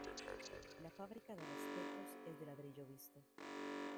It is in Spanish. La fábrica de los petos es de ladrillo visto.